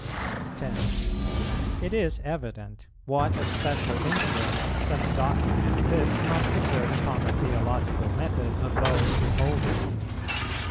It is evident what a special influence such doctrine as this must exert upon the theological method of those who hold it.